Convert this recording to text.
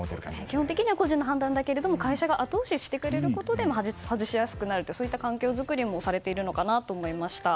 基本的には個人の判断だけども会社が後押ししてくれるということで外しやすくなるという環境作りもされているのかなと思いました。